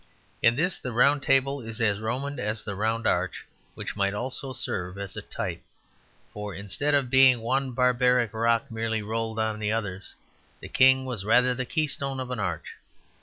In this the Round Table is as Roman as the round arch, which might also serve as a type; for instead of being one barbaric rock merely rolled on the others, the king was rather the keystone of an arch.